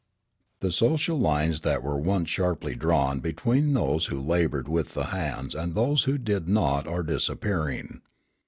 The social lines that were once sharply drawn between those who laboured with the hands and those who did not are disappearing.